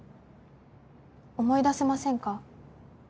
思い出せませんか？